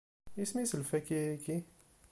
Isem-is lfakya-agi?